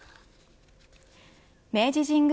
明治神宮